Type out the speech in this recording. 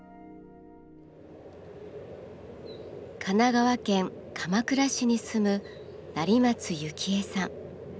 神奈川県鎌倉市に住む成松幸恵さん。